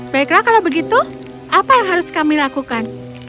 baiklah kalau begitu apa yang harus kami lakukan